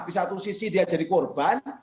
di satu sisi dia jadi korban